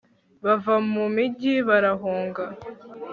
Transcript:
bava mu migi barahunga